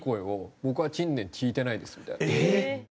えっ！